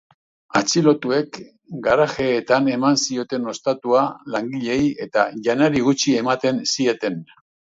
Atxilotuek garajeetan eman zieten ostatua langileei eta janari gutxi ematen zieten.